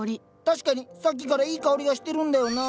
確かにさっきからいい香りがしてるんだよな。